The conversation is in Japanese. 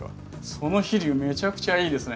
その飛竜めちゃくちゃいいですね。